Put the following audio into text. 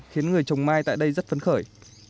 khiến người trồng mai tại đây rất phấn khởi